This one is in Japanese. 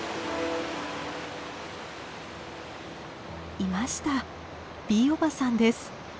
いましたＢおばさんです。